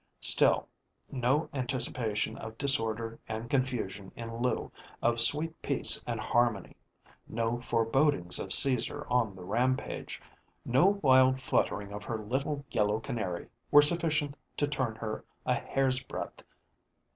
Still no anticipation of disorder and confusion in lieu of sweet peace and harmony, no forebodings of Caesar on the rampage, no wild fluttering of her little yellow canary, were sufficient to turn her a hairsbreadth.